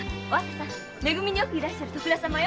め組によくいらっしゃる徳田様よ。